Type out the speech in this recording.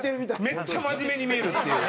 めっちゃ真面目に見えるっていう。